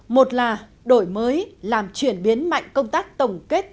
một là đổi mới làm chuyển biến mạnh công tác tổng kết thực tế